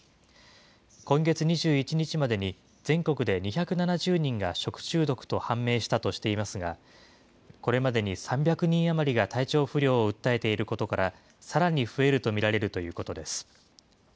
今月２１日までに全国で２７０人が食中毒と判明したとしていますが、これまでに３００人余りが体調不良を訴えていることから、さらに増えると見られるということです。